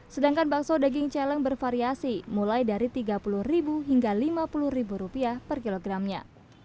sedangkan bakso daging celeng bervariasi mulai dari tiga puluh ribu hingga lima puluh ribu rupiah per kilogramnya